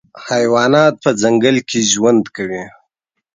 حیوانات په ځنګل کي ژوند کوي.